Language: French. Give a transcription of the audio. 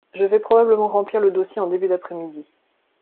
Je vais probablement remplir le dossier en début d'après-midi.